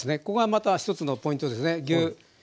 ここがまた１つのポイントですね。